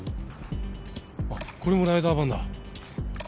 あっこれもライダー版だ。